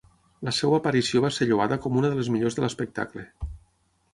La seva aparició va ser lloada com una de les millors de l'espectacle.